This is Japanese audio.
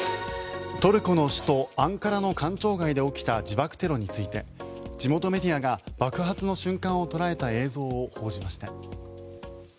トルコの首都アンカラの官庁街で起きた自爆テロについて地元メディアが爆発の瞬間を捉えた映像を報じました。